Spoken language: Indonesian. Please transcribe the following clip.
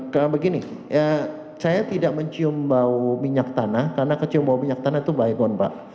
karena begini saya tidak mencium bau minyak tanah karena kecium bau minyak tanah itu baik baik pak